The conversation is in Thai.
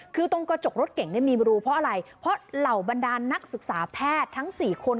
คือตรงกระจกรถเก่งเนี่ยมีรูเพราะอะไรเพราะเหล่าบรรดานนักศึกษาแพทย์ทั้ง๔คน